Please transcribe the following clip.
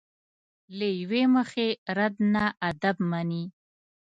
له یوې مخې رد نه ادب مني.